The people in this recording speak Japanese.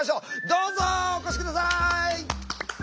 どうぞお越し下さい！